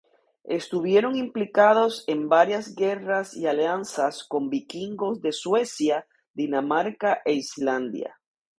Estuvieron implicados en varias guerras y alianzas con vikingos de Suecia, Dinamarca e Islandia.